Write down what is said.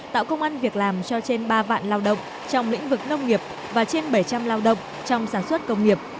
tạo công an việc làm cho trên ba vạn lao động trong lĩnh vực nông nghiệp và trên bảy trăm linh lao động trong sản xuất công nghiệp